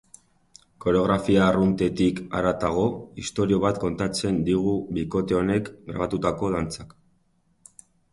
Koreografia arruntetik haratago, istorio bat kontatzen digu bikote honek grabatutako dantzak.